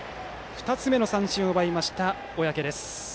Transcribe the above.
２つ目の三振を奪いました、小宅。